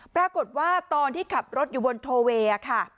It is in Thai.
ปรากฏว่าตอนที่ขับรถอยู่บนโทเวย์ค่ะ